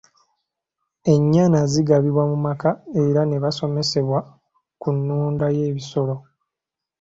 Ennyana zigabibwa mu maka era ne basomesebwa ku nnunda y'ebisolo.